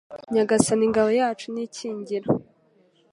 Nyagasani ngabo yacu nikingira